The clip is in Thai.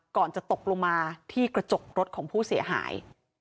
ก่อนจะตกลงมาที่กระจกรถของผู้เสียหาย